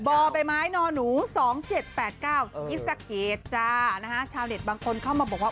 บอไปม้ายนน๒๗๘๙ศิษฐกิจบางคนเข้ามาบอกว่า